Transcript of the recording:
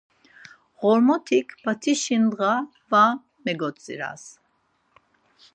Ğormotik p̌aṫişi ndğa va megodziras.